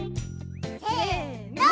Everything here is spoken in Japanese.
せの。